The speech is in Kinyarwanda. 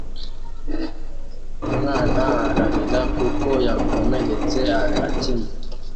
Umwana ararira kuko yakomeretse akina